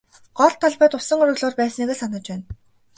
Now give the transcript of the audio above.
Гол талбайд усан оргилуур байсныг л санаж байна.